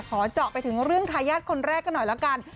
เจาะไปถึงเรื่องทายาทคนแรกกันหน่อยแล้วกัน